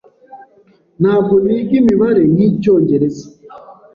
Ntabwo niga imibare nkicyongereza.